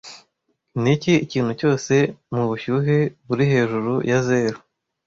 Niki Ikintu cyose mubushyuhe buri hejuru ya zeru